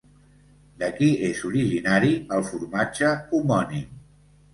D'aquí és originari el formatge homònim.